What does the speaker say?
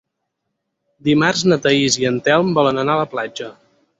Dimarts na Thaís i en Telm volen anar a la platja.